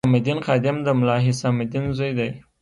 قیام الدین خادم د ملا حسام الدین زوی دی.